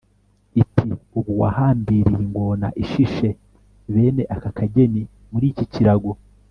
iti ubu wahambiriye ingona ishishe bene aka kageni muri iki kirago